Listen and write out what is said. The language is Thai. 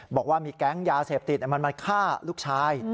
บอกว่ามีแก๊งยาเสพติดมันมาฆ่าลูกชาย